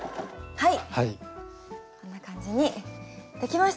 はい。